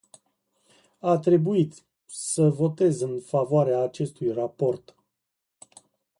A trebuit să votez în favoarea acestui raport.